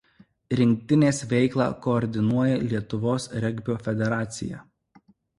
Rinktinės veiklą koordinuoja Lietuvos regbio federacija.